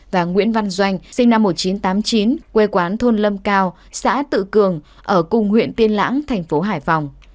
và nguyễn văn doanh sinh năm một nghìn chín trăm tám mươi chín quê quán thôn lâm cao xã tự cường ở cùng huyện tiên lãng thành phố hải phòng